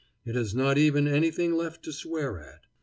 It has not even anything left to swear at.